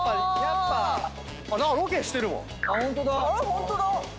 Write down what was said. ホントだ。